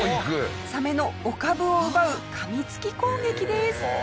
サメのお株を奪う噛みつき攻撃です。